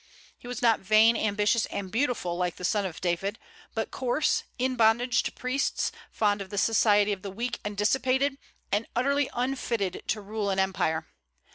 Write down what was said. He was not vain, ambitious, and beautiful, like the son of David; but coarse, in bondage to priests, fond of the society of the weak and dissipated, and utterly unfitted to rule an empire.